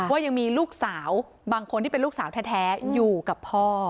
ว่ายังมีลูกสาวบางคนที่เป็นลูกสาวแท้อยู่กับพ่อ